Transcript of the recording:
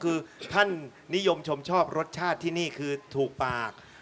คือท่านนิยมชมชอบรสชาติที่นี่คือถูกปาก